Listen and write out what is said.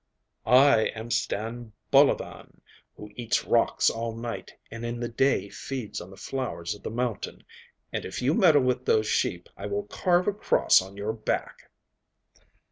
'I am Stan Bolovan, who eats rocks all night, and in the day feeds on the flowers of the mountain; and if you meddle with those sheep I will carve a cross on your back.